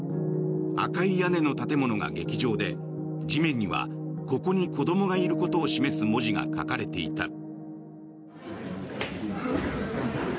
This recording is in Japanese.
赤い屋根の建物が劇場で地面にはここに子どもがいることを示す文字が書かれていた。